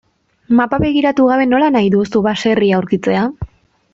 Mapa begiratu gabe nola nahi duzu baserria aurkitzea?